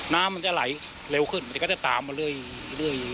น้ำมันจะไหลเร็วขึ้นมันก็จะตามมาเรื่อย